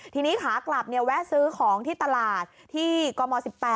ทีนี้ขากลับแวะซื้อของที่ตลาดที่กม๑๘